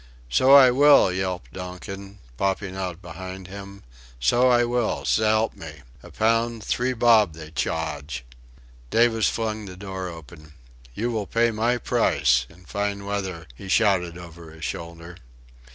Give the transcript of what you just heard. "So I will," yelped Donkin, popping out behind him. "So I will s'elp me... a pound... three bob they chawrge." Davis flung the door open. "You will pay my price... in fine weather," he shouted over his shoulder.